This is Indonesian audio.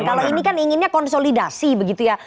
kalau ini kan inginnya konsolidasi begitu ya